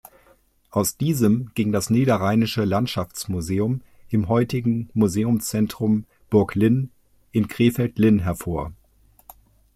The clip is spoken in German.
Aus diesem ging das Niederrheinische Landschaftsmuseum im heutigen Museumszentrum Burg Linn in Krefeld-Linn hervor.